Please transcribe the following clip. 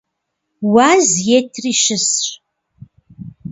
Уаз етри щысщ.